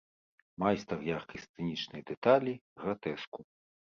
Майстар яркай сцэнічнай дэталі, гратэску.